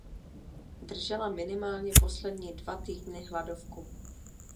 Držela minimálně poslední dva týdny hladovku.